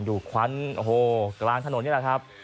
ดูหวั้น๖๕๒กลางถนนนี่แหละครับ